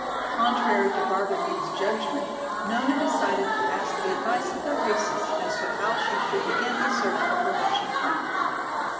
Contrary to Barbara Meade's judgment, Nona decided to ask the advice of their hostess as to how she should begin the search for her Russian friend.